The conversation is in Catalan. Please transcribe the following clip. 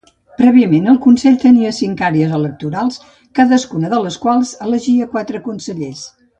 Prèviament el consell tenia cinc àrees electorals cadascuna de les quals elegia quatre consellers.